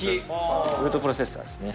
フードプロセッサーですね